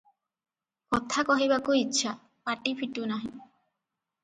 କଥା କହିବାକୁ ଇଚ୍ଛା, ପାଟି ଫିଟୁନାହିଁ ।